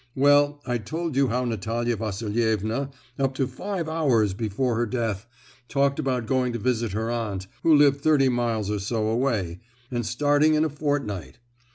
Well, I told you how Natalia Vasilievna, up to five hours before her death, talked about going to visit her aunt, who lived thirty miles or so away, and starting in a fortnight.